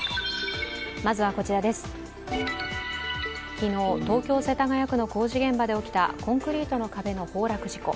昨日、東京・世田谷区の工事現場で起きたコンクリートの壁の崩落事故。